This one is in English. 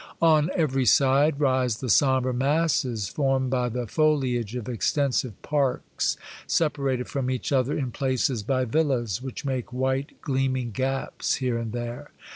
On every side rise the sombre masses formed by the foliage of extensive parks, separated from each other in places by villas, which make white, gleam ing gaps here and there.